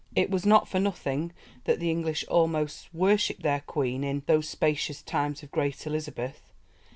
It was not for nothing that the English almost worshipped their Queen in "those spacious times of great Elizabeth."